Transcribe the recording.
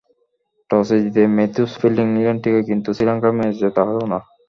টসে জিতে Mathews fielding নিলেন ঠিকই, কিন্তু শ্রীলঙ্কার ম্যাচ জেতা হলো না।